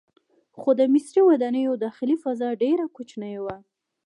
خو د مصري ودانیو داخلي فضا ډیره کوچنۍ وه.